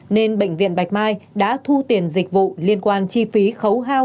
nên bệnh viện bạch mai đã thu tiền dịch vụ liên quan chi phí khấu hao